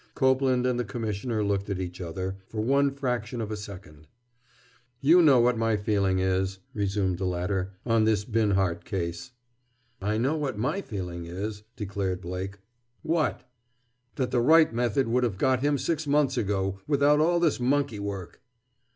Copeland and the Commissioner looked at each other, for one fraction of a second. "You know what my feeling is," resumed the latter, "on this Binhart case." "I know what my feeling is," declared Blake. "What?" "That the right method would've got him six months ago, without all this monkey work!"